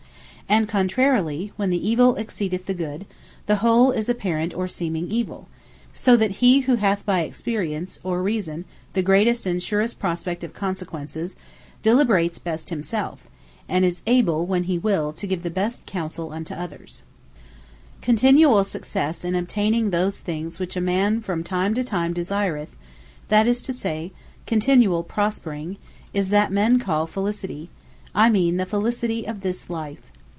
And contrarily, when the evill exceedeth the good, the whole is Apparent or Seeming Evill: so that he who hath by Experience, or Reason, the greatest and surest prospect of Consequences, Deliberates best himself; and is able, when he will, to give the best counsel unto others. Felicity Continual Successe in obtaining those things which a man from time to time desireth, that is to say, continual prospering, is that men call FELICITY; I mean the Felicity of this life.